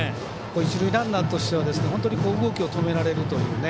一塁ランナーとしては本当に動きを止められるという。